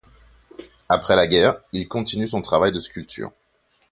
Après la guerre, il continue son travail de sculpture.